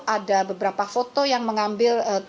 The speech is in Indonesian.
ada beberapa foto yang mengambil